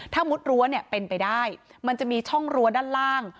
ถ้ามุดรั้วเนี่ยเป็นไปได้มันจะมีช่องรั้วด้านล่าง